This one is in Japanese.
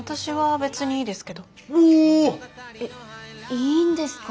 いいんですか？